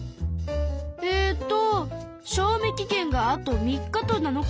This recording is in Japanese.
えと賞味期限があと３日と７日。